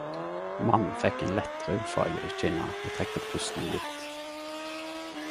Mannen fekk ein lett raudfarge i kinna og trekte pusten djupt.